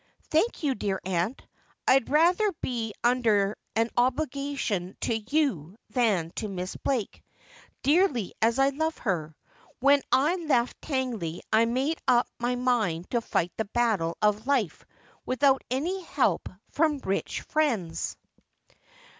'Thank you, dear aunt. I'd rather be under an obligation to you than to Miss Blake, dearly as I love her. When 1 left Tangley J made up my mind to fight the battle of bfe without any help from rich friends.'